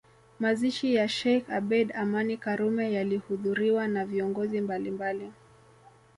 Mazishi ya Sheikh Abeid Amani Karume yalihudhuriwa na viongozi mbalimbali